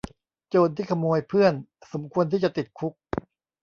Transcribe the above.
โจรที่ขโมยเพื่อนสมควรที่จะติดคุก